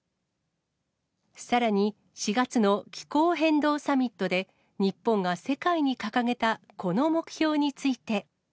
さらに、４月の気候変動サミットで、日本が世界に掲げたこの目標について。